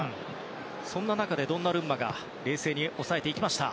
そんな中で、ドンナルンマが冷静に押さえていきました。